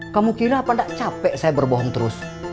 kamu kira apa tidak capek saya berbohong terus